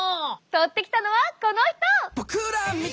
撮ってきたのはこの人！